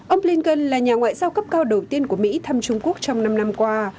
ông blinken là nhà ngoại giao cấp cao đầu tiên của mỹ thăm trung quốc trong năm năm qua